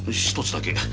１つだけ。